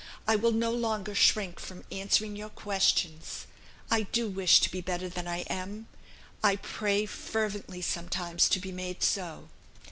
I will no longer shrink from answering your questions. I do wish to be better than I am. I pray fervently sometimes to be made so.